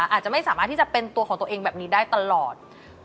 อาจจะไม่สามารถที่จะเป็นตัวของตัวเองแบบนี้ได้ตลอด